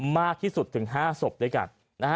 มากที่สุดถึง๕ศพด้วยกัน